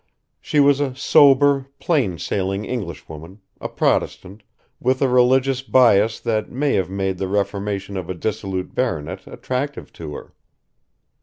She was a sober, plain sailing Englishwoman, a Protestant, with a religious bias that may have made the reformation of a dissolute baronet attractive to her.